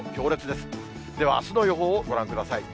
では、あすの予報をご覧ください。